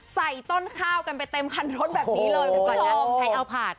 ใส่ต้นข้าวกันไปเต็มคันรถแบบนี้เลยคุณผู้ชมใครเอาผาด